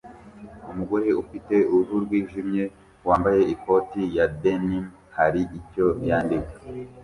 Umugore ufite uruhu rwijimye wambaye ikoti ya denim hari icyo yandika